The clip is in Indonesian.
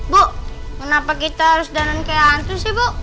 bu kenapa kita harus jalan kayak hantu sih bu